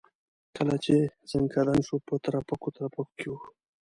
کله چې ځنکدن شو په ترپکو ترپکو کې و.